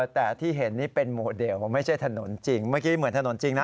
แต่ที่เห็นนี่เป็นโมเดลไม่ใช่ถนนจริงเมื่อกี้เหมือนถนนจริงนะ